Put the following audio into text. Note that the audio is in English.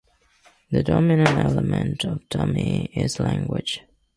The dominant element of dumy is language.